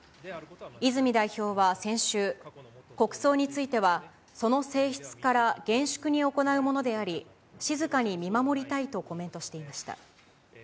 泉代表は先週、国葬についてはその性質から、厳粛に行うものであり、静かに見守りたいとコメントしていました。